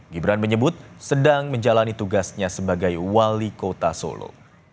gibran menyebut sedang menjalani tugasnya sebagai wali kota solo